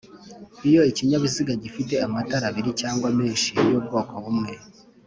Iyo ikinyabiziga gifite amatara abiri cyangwa menshi y'ubwoko bumwe